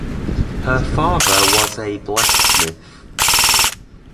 Her father was a blacksmith.